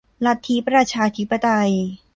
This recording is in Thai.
ลัทธิประชาธิปไตย